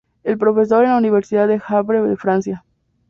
Es profesor en la Universidad de Havre de Francia.